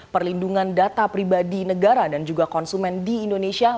perlindungan data pribadi negara dan juga konsumen di indonesia